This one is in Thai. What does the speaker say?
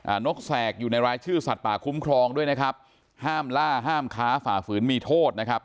นกแสกอยู่ในรายชื่อสัตว์ป่าคุ้มครองด้วยนะครับห้ามล่าห้ามค้าฝ่าฝืนมีโทษนะครับ